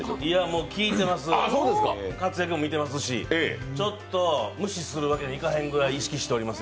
もう聞いてます、活躍も見てますし、ちょっと無視するわけにいかへんぐらい意識しております。